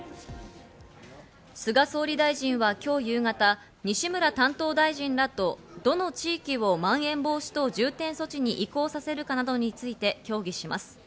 菅総理大臣は今日夕方、西村担当大臣らとどの地域をまん延防止等重点措置に移行させるかなどについて協議します。